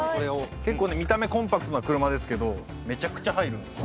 結構ね見た目コンパクトな車ですけどめちゃくちゃ入るんですよ。